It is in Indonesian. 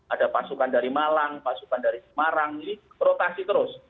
ada pasukan dari malang pasukan dari semarang ini rotasi terus